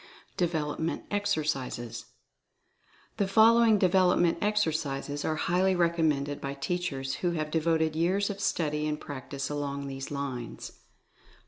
DEVELOPMENT EXERCISES. The following Development Exercises are highly recommended by teachers who have devoted years of study and practice along these lines : 1.